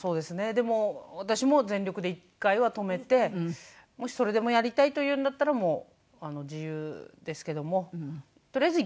でも私も全力で一回は止めてもしそれでもやりたいと言うんだったらもう自由ですけどもとりあえず一回は。